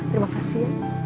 terima kasih ya